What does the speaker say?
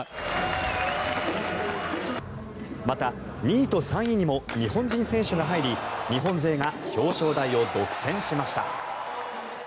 また、２位と３位にも日本人選手が入り日本勢が表彰台を独占しました。